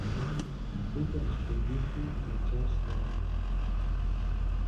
Y fue correspondiente de Charles Darwin.